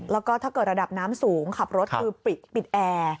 แล้วก็ถ้าเกิดระดับน้ำสูงขับรถคือปิดแอร์